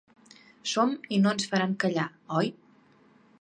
Som i no ens faran callar, oi?